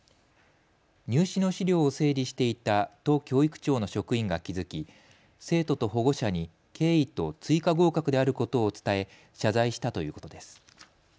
入試の資料を整理していた都教育庁の職員が気付き生徒と保護者に経緯と追加合格であることを伝え謝罪したということです。